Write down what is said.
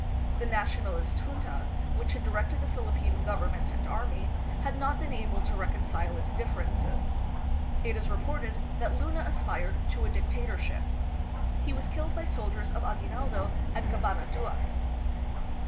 The Nationalist junta, which had directed the Philippine government and army, had not been able to reconcile its differences. It is re ported that Luna aspired to a dictatorship. He was killed by soldiers of Aguinaldo at Cabanatuan.